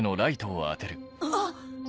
あっ！